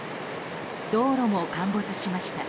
道路も陥没しました。